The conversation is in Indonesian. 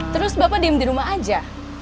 terus bapak diem di rumah aja